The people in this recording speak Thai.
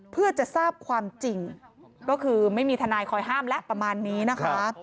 เพื่อจะทราบความจริงก็คือไม่มีทนายคอยห้ามแล้วประมาณนี้นะคะ